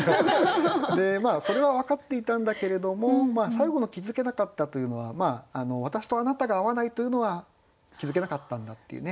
それは分かっていたんだけれども最後の「気付けなかった」というのは私とあなたが合わないというのは気付けなかったんだっていうね